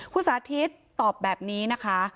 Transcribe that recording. คุณสาธิตตอบแบบนี้นะคะ